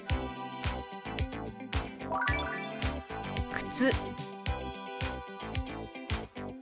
「靴」。